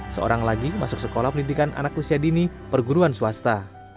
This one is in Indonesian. seorang lagi masuk sekolah pendidikan anak usia dini perguruan swasta